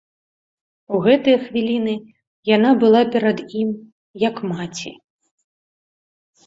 У гэтыя хвіліны яна была перад ім, як маці.